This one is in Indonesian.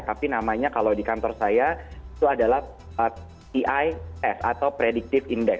tapi namanya kalau di kantor saya itu adalah pis atau predictive index